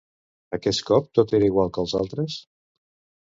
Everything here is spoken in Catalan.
Aquest cop tot era igual que els altres?